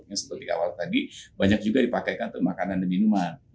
yang seperti awal tadi banyak juga dipakai untuk makanan dan minuman